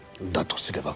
とすれば